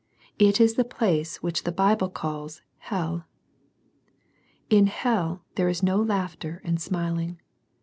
It i; the place which the Bible calls hell. In hel there is no laughter and smiling.